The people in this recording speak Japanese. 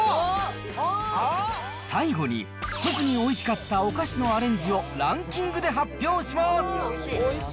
最後に、特においしかったおかしのアレンジをランキングで発表します。